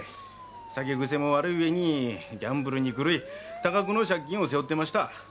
酒ぐせも悪い上にギャンブルに狂い多額の借金を背負ってました。